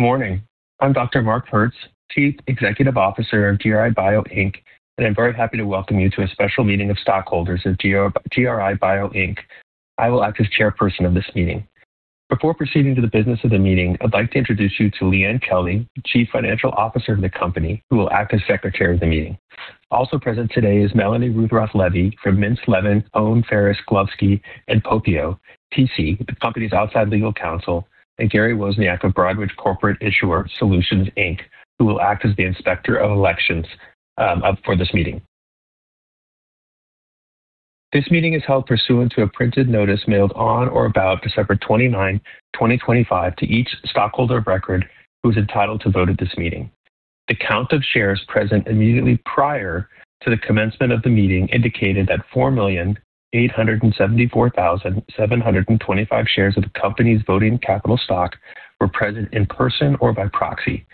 Good morning. I'm Dr. Marc Hertz, Chief Executive Officer of GRI Bio Inc., and I'm very happy to welcome you to a special meeting of stockholders of GRI Bio Inc. I will act as Chairperson of this meeting. Before proceeding to the business of the meeting, I'd like to introduce you to Leanne Kelly, Chief Financial Officer of the company, who will act as Secretary of the meeting. Also present today is Melanie Ruthrauff Levy from Mintz, Levin, Cohn, Ferris, Glovsky and Popeo, P.C., the company's outside legal counsel, and Gary Wozniak of Broadridge Corporate Issuer Solutions, Inc., who will act as the Inspector of Elections for this meeting. This meeting is held pursuant to a printed notice mailed on or about December 29th, 2025, to each stockholder of record who is entitled to vote at this meeting. The count of shares present immediately prior to the commencement of the meeting indicated that 4,874,725 shares of the company's voting capital stock were present in person or by proxy.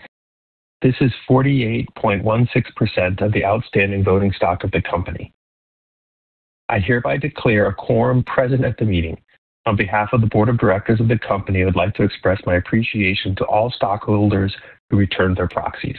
This is 48.16% of the outstanding voting stock of the company. I hereby declare a quorum present at the meeting. On behalf of the Board of Directors of the company, I would like to express my appreciation to all stockholders who returned their proxies.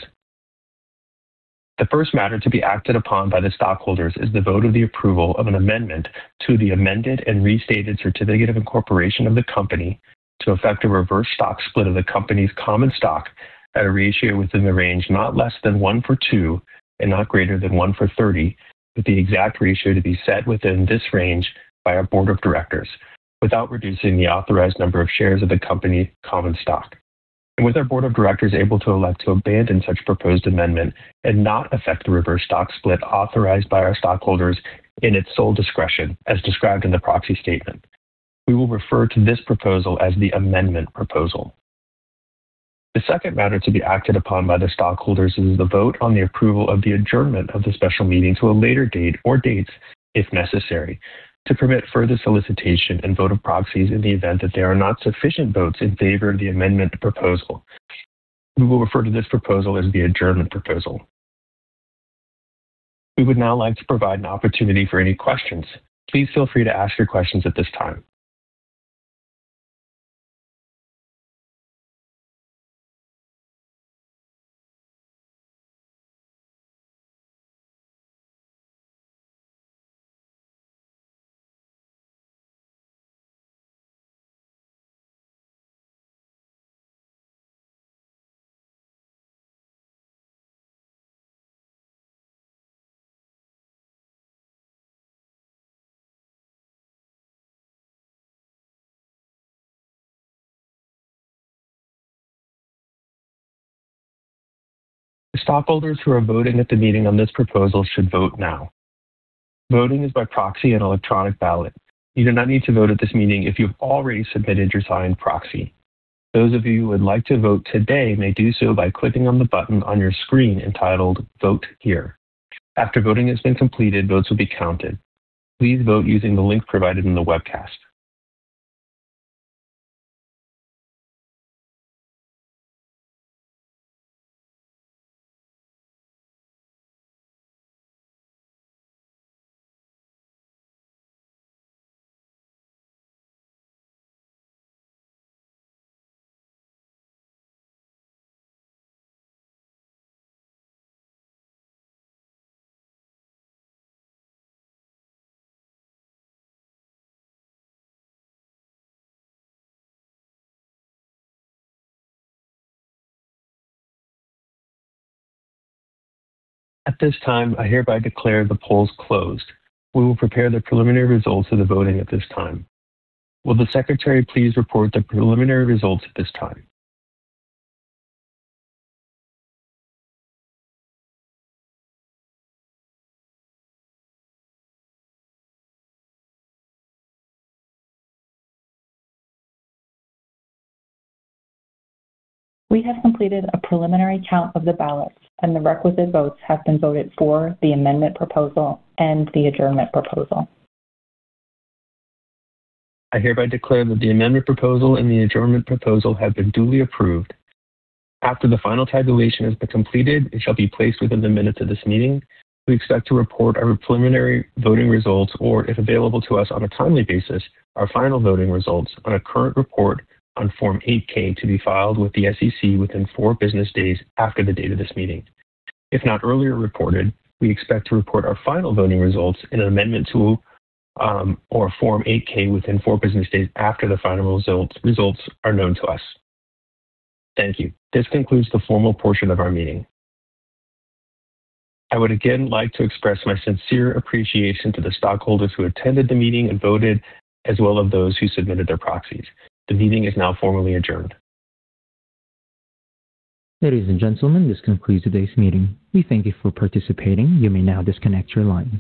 The first matter to be acted upon by the stockholders is the vote of the approval of an amendment to the Amended and Restated Certificate of Incorporation of the company to effect a reverse stock split of the company's Common Stock at a ratio within the range not less than one for two and not greater than one for 30, with the exact ratio to be set within this range by our Board of Directors without reducing the authorized number of shares of the company's Common Stock, and with our Board of Directors able to elect to abandon such proposed amendment and not effect the reverse stock split authorized by our stockholders in its sole discretion, as described in the Proxy Statement. We will refer to this proposal as the Amendment Proposal. The second matter to be acted upon by the stockholders is the vote on the approval of the adjournment of the special meeting to a later date or dates, if necessary, to permit further solicitation and vote of proxies in the event that there are not sufficient votes in favor of the amendment proposal. We will refer to this proposal as the adjournment proposal. We would now like to provide an opportunity for any questions. Please feel free to ask your questions at this time. The stockholders who are voting at the meeting on this proposal should vote now. Voting is by proxy and electronic ballot. You do not need to vote at this meeting if you have already submitted your signed proxy. Those of you who would like to vote today may do so by clicking on the button on your screen entitled "Vote Here." After voting has been completed, votes will be counted. Please vote using the link provided in the webcast. At this time, I hereby declare the polls closed. We will prepare the preliminary results of the voting at this time. Will the Secretary please report the preliminary results at this time? We have completed a preliminary count of the ballots, and the requisite votes have been voted for the amendment proposal and the adjournment proposal. I hereby declare that the amendment proposal and the adjournment proposal have been duly approved. After the final tabulation has been completed and shall be placed within the minutes of this meeting, we expect to report our preliminary voting results or, if available to us on a timely basis, our final voting results on a current report on Form 8-K to be filed with the SEC within four business days after the date of this meeting. If not earlier reported, we expect to report our final voting results in an amendment to our Form 8-K within four business days after the final results are known to us. Thank you. This concludes the formal portion of our meeting. I would again like to express my sincere appreciation to the stockholders who attended the meeting and voted, as well as those who submitted their proxies. The meeting is now formally adjourned. Ladies and gentlemen, this concludes today's meeting. We thank you for participating. You may now disconnect your lines.